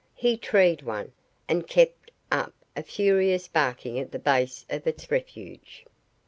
He treed one, and kept up a furious barking at the base of its refuge.